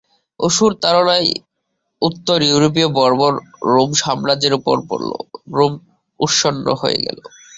অসুর-তাড়নায় উত্তর-ইউরোপী বর্বর রোমসাম্রাজ্যের উপর পড়ল! রোম উৎসন্ন হয়ে গেল।